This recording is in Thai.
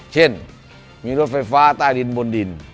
เช่นมีรถไฟฟ้าใต้ดินบนดิน